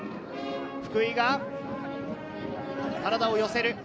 福井が体を寄せる！